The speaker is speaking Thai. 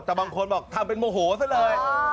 แต่บางคนบอกทำเป็นโมโหซะเลย